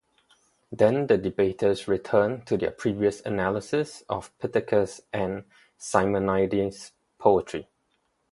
Then the debaters return to their previous analysis of Pittacus' and Simonides' poetry.